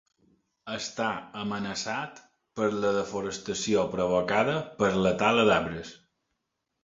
Està amenaçat per la desforestació provocada per la tala d'arbres.